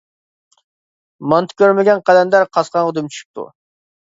مانتا كۆرمىگەن قەلەندەر قاسقانغا دۈم چۈشۈپتۇ.